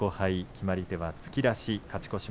決まり手は突き出し。